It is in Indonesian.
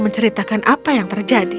menceritakan apa yang terjadi